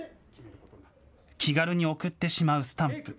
気軽に送ってしまうスタンプ。